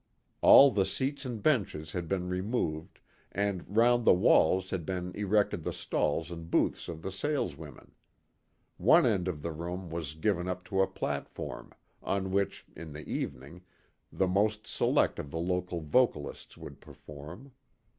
All the seats and benches had been removed, and round the walls had been erected the stalls and booths of the saleswomen. One end of the room was given up to a platform, on which, in the evening, the most select of the local vocalists would perform.